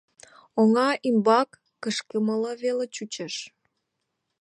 Оҥа ӱмбак кышкымыла веле чучеш.